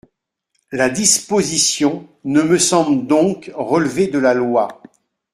La disposition ne me semble donc relever de la loi.